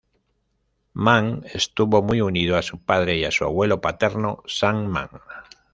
Mann estuvo muy unido a su padre y a su abuelo paterno, Sam Mann.